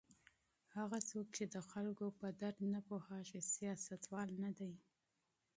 هغه څوک چې د خلکو په درد نه پوهیږي سیاستوال نه دی.